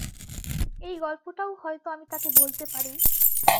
এই গল্পটাও হয়তো আমি তাঁকে বলতে পারি।